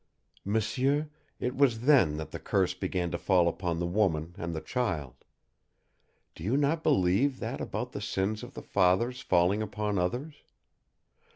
"M'sieur, it was then that the curse began to fall upon the woman and the child. Do you not believe that about the sins of the fathers falling upon others?